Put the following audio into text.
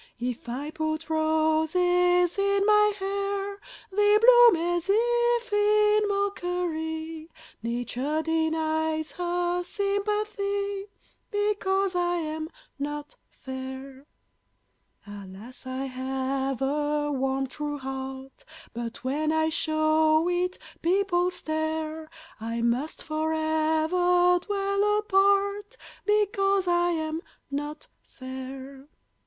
If I put roses in my hair, They bloom as if in mockery; Nature denies her sympathy, Because I am not fair; Alas! I have a warm, true heart, But when I show it people stare; I must forever dwell apart, Because I am not fair.